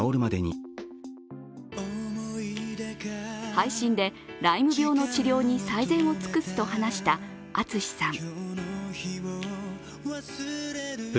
配信で、ライム病の治療に最善を尽くすと話したＡＴＳＵＳＨＩさん。